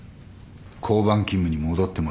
交番勤務に戻ってもらう。